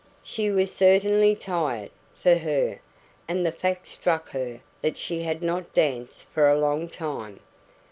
She was certainly tired for her and the fact struck her that she had not danced for a long time.